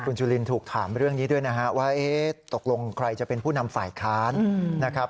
คุณจุลินถูกถามเรื่องนี้ด้วยนะฮะว่าตกลงใครจะเป็นผู้นำฝ่ายค้านนะครับ